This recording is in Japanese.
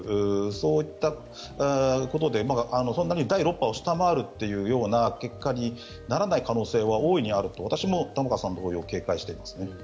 そういったことでそんなに第６波を下回るような結果にならない可能性は大いにあると私も玉川さん同様警戒していますね。